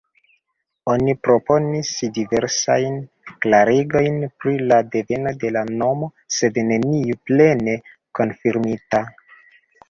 Oni proponis diversajn klarigojn pri la deveno de la nomo, sed neniu plene konfirmita.